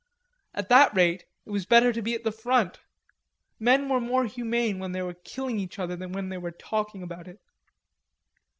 At that rate it was better to be at the front. Men were more humane when they were killing each other than when they were talking about it.